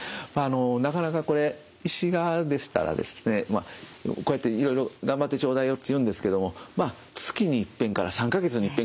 なかなかこれ医師側でしたらですねこうやっていろいろ頑張ってちょうだいよって言うんですけども月に一遍から３か月に一遍ぐらいなんですね。